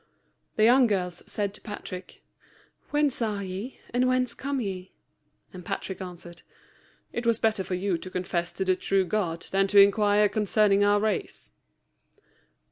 The young girls said to Patrick, "Whence are ye, and whence come ye?" and Patrick answered, "It were better for you to confess to the true God than to inquire concerning our race."